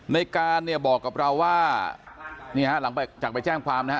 ในการเนี่ยบอกกับเราว่านี่ฮะหลังจากไปแจ้งความนะฮะ